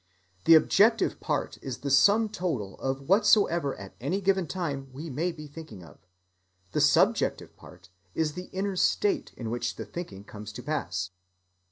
The objective part is the sum total of whatsoever at any given time we may be thinking of, the subjective part is the inner "state" in which the thinking comes to pass.